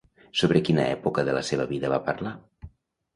Sobre quina època de la seva vida va parlar?